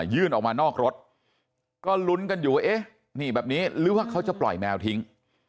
ยื่นออกมานอกรถก็ลุ้นกันอยู่เอ๊ะนี่แบบนี้หรือว่าเขาจะปล่อยแมวทิ้ง